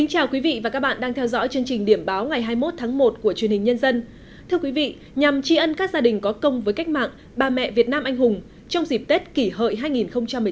hãy đăng ký kênh để ủng hộ kênh của chúng mình nhé